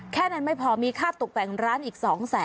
แค่นั้นไม่พอมีค่าตกแต่งร้านอีก๒๐๐๐